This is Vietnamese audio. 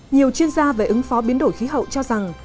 nhiều chuyên gia về ứng phó biến đổi khí hậu cho rằng